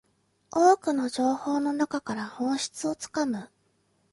多くの情報の中から本質をつかむ